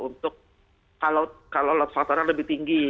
untuk kalau load factornya lebih tinggi